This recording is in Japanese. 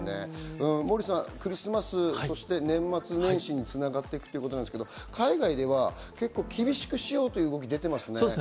モーリーさん、クリスマス、そして年末年始に繋がっていくということですけど、海外では厳しくしようという動きが出てますね。